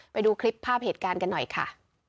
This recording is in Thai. ไปดูคลิปภาพเหตุการณ์กันหน่อยค่ะ